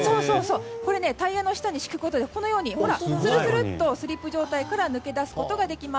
タイヤの下に敷くことでするするっとスリップ状態から抜け出すことができます。